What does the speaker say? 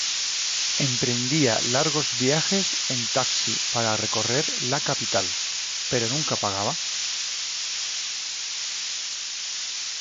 Emprendía largos viajes en taxi para recorrer la Capital, pero nunca pagaba.